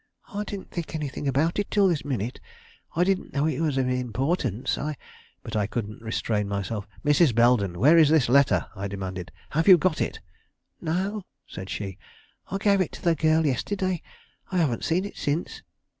"I didn't think anything about it till this minute. I didn't know it was of importance. I " But I couldn't restrain myself. "Mrs. Belden, where is this letter?" I demanded. "Have you got it?" "No," said she; "I gave it to the girl yesterday; I haven't seen it since."